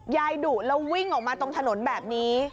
ดุแล้ววิ่งออกมาตรงถนนแบบนี้